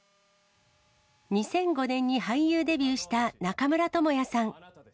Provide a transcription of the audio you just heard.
２００５年に俳優デビューした中村倫也さん。